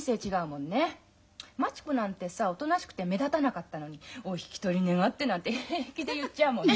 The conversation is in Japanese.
町子なんてさおとなしくて目立たなかったのに「お引き取り願って」なんて平気で言っちゃうもんね。